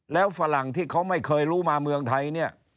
แล้วฝรั่งที่เขาไม่เคยรู้มาเมืองไทยเนี่ย